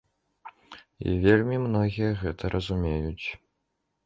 І вельмі многія гэта разумеюць.